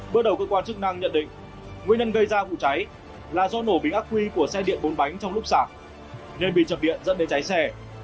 bước đầu cơ quan chức năng nhận định nguyên nhân gây ra vụ cháy là do nổ bình ác quy của xe điện bốn bánh trong lúc sạc nên bị chập điện dẫn đến cháy xe